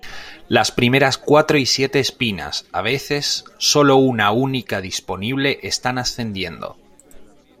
Las primeras cuatro y siete espinas, a veces, sólo una única disponible, están ascendiendo.